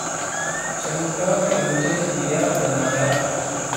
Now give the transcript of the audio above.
چمکا کے مجھے دیا بنا یا